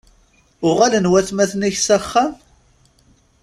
Uɣalen watmaten-ik s axxam?